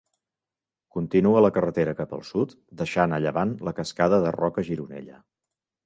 Continua la carretera cap al sud, deixant a llevant la Cascada de Roca Gironella.